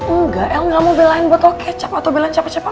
enggak el gak mau belain botol kecap atau belain capek cepat